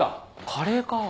カレーかぁ。